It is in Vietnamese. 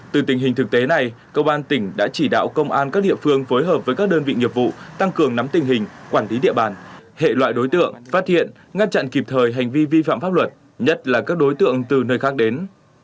từ tình hình thực tế này công an tỉnh đã chỉ đạo công an các địa phương phối hợp với các đơn vị nghiệp vụ tăng cường nắm tình hình quản lý địa bàn hệ loại đối tượng phát hiện ngăn chặn kịp thời hành vi vi phạm pháp luật nhất là các đối tượng từ nơi khác đến